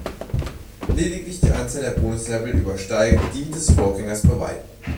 Lediglich die Anzahl der Bonuslevel übersteigt die des Vorgängers bei weitem.